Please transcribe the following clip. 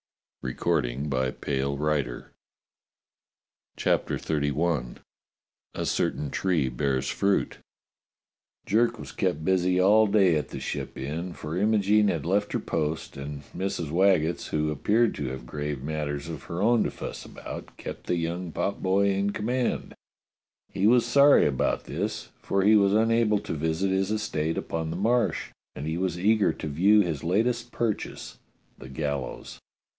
B ut find that mulatto !" CHAPTER XXXI A CERTAIN TREE BEARS FRUIT JERK was kept busy all day at the Ship Inn, for Imogene had left her post and Mrs. Waggetts, who appeared to have grave matters of her own to fuss about, kept the young potboy in command. He was sorry about this, for he was unable to visit his estate upon the Marsh, and he was eager to view his latest purchase, the gallows.